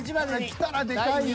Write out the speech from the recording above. きたらでかいよ。